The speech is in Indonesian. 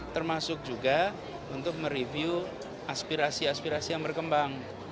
termasuk juga untuk mereview aspirasi aspirasi yang berkembang